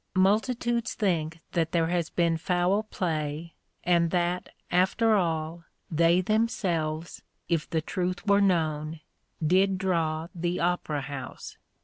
Multitudes think that there has been foul play, and that, after all, they themselves, if the truth were known, did draw the Opera House.